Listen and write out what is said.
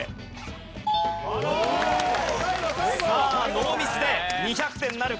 ノーミスで２００点なるか？